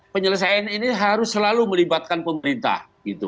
penyelesaian ini harus selalu melibatkan pemerintah